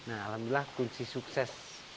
alhamdulillah kunci sukses